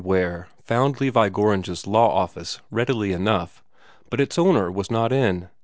Ware found Levi Gorringe's law office readily enough, but its owner was not in.